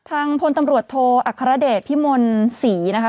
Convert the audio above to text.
ทางพลตำรวจโทอัครเดชพิมลศรีนะคะ